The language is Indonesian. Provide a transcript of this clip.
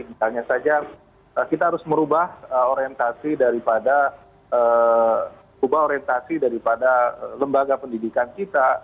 misalnya saja kita harus merubah orientasi daripada lembaga pendidikan kita